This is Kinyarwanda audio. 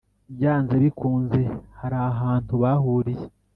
byanze bikunze harahantu bahuriye